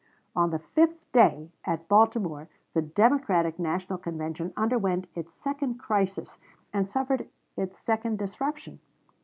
On the fifth day at Baltimore the Democratic National Convention underwent its second "crisis," and suffered its second disruption.